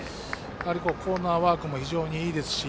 コーナーワークも非常にいいですし。